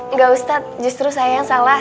enggak ustadz justru saya yang salah